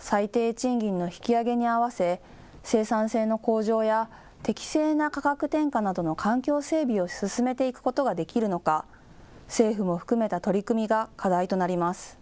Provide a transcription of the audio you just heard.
最低賃金の引き上げにあわせ、生産性の向上や適正な価格転嫁などの環境整備を進めていくことができるのか、政府も含めた取り組みが課題となります。